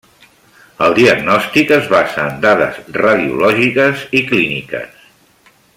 El diagnòstic es basa en dades radiològiques i clíniques.